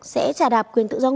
sẽ trả đạp quyền tự do nước